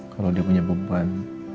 kalau dia punya beban